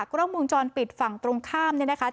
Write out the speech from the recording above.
กล้องวงจรปิดฝั่งตรงข้ามเนี่ยนะคะ